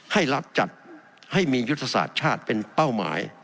ให้รัฐจัดให้มียุทธศาสตร์ชาติเป็นเป้าหมาย